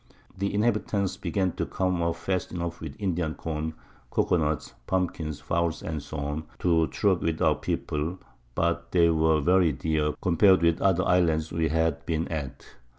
The Inhabitants began to come off fast enough with Indian Corn, Cocoa Nutts, Pumpkins, Fowles, &c. to truck with our People, but they were very dear, compar'd with the other Islands we had been at.